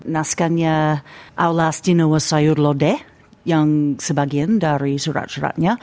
naskahnya aulastinuwa sayurlodeh yang sebagian dari surat suratnya